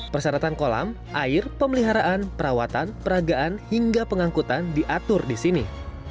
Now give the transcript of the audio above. persyaratan kolam air pemeliharaan perawatan peragaan hingga pengangkutan diatur di sini